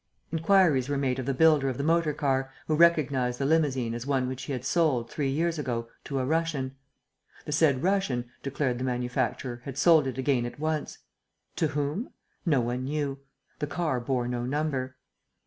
Inquiries were made of the builder of the motor car, who recognized the limousine as one which he had sold, three years ago, to a Russian. The said Russian, declared the manufacturer, had sold it again at once. To whom? No one knew. The car bore no number.